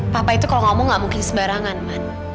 papa itu kalau ngomong gak mungkin sebarangan man